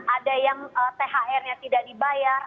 ada yang thr nya tidak dibayar